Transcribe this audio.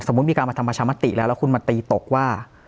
มีการมาทำประชามติแล้วแล้วคุณมาตีตกว่า